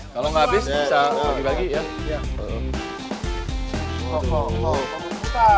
kalau nggak habis bisa bagi bagi ya